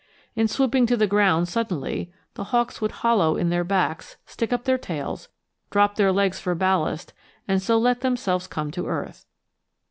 In swooping to the ground suddenly, the hawks would hollow in their backs, stick up their tails, drop their legs for ballast, and so let themselves come to earth.